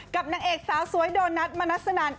นางเอกสาวสวยโดนัทมนัสนัน